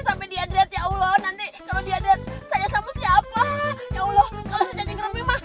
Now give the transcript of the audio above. sampai diadret ya allah nanti kalau dia dan saya sama siapa ya allah kalau jadi geraknya mah